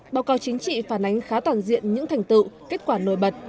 báo cáo chính trị phản ánh khá toàn diện những thành tựu kết quả nổi bật